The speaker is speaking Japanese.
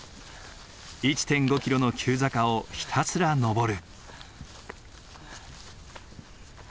１．５キロの急坂をひたすら登る。